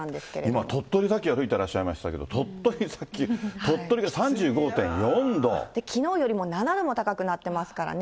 今、鳥取砂丘歩いてらっしゃいましたけど、鳥取砂丘、鳥取はきのうよりも７度も高くなってますからね。